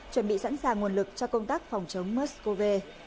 chuẩn bị sẵn sàng nguồn lực cho công tác phòng chống moscow v